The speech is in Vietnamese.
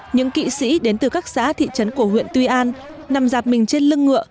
những kỵ sĩ đến từ các xã thị trấn của huyện tuy an nằm dạp mình trên lưng ngựa